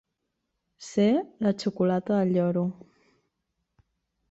Ser la xocolata del lloro.